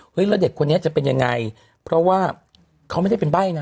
แล้วเด็กคนนี้จะเป็นยังไงเพราะว่าเขาไม่ได้เป็นใบ้นะ